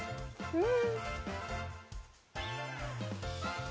うん！